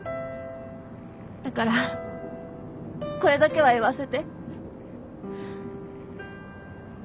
だからこれだけは言わせて。